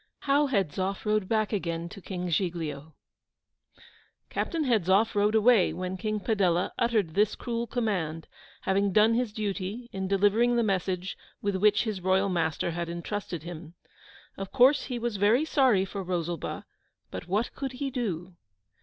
HOW HEDZOFF RODE BACK AGAIN TO KING GIGLIO Captain Hedzoff rode away when King Padella uttered this cruel command, having done his duty in delivering the message with which his royal master had entrusted him. Of course he was very sorry for Rosalba, but what could he do?